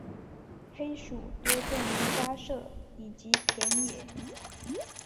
黑鼠多见于家舍以及田野。